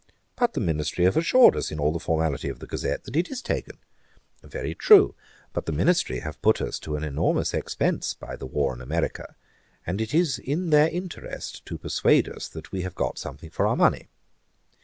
"But the ministry have assured us, in all the formality of The Gazette, that it is taken." Very true. But the ministry have put us to an enormous expence by the war in America, and it is their interest to persuade us that we have got something for our money.